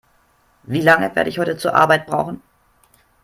Wie lange werde ich heute zur Arbeit brauchen?